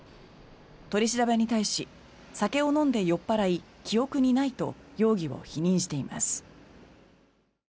取り調べに対し酒を飲んで酔っ払い記憶にないと容疑を否認しています。